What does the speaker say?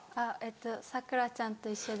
さくらちゃんと一緒で。